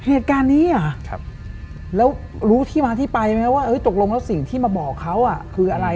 เหตุการณ์นี้เหรอแล้วรู้ที่มาที่ไปไหมว่าตกลงแล้วสิ่งที่มาบอกเขาคืออะไร